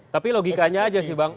tapi logikanya aja sih bang